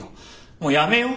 もうやめよう。